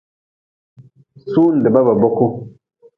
Sundba ba boku.